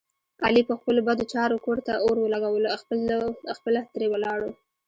علي په خپلو بدو چارو کور ته اور ولږولو خپله ترې ولاړو.